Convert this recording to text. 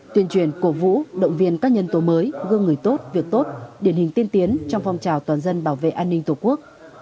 tuyên truyền cổ vũ động viên các nhân tố mới gương người tốt việc tốt điển hình tiên tiến trong phong trào toàn dân bảo vệ an ninh tổ quốc